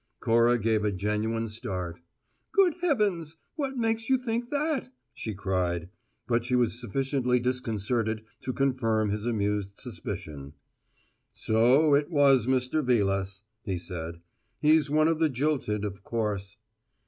Cora gave a genuine start. "Good heavens! What makes you think that?" she cried, but she was sufficiently disconcerted to confirm his amused suspicion. "So it was Mr. Vilas," he said. "He's one of the jilted, of course."